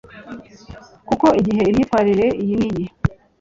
Koko igihe imyitwarire iyi n iyi